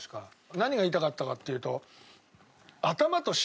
何が言いたかったかっていうと。